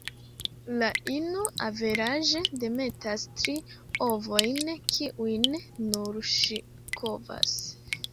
La ino averaĝe demetas tri ovojn, kiujn nur ŝi kovas.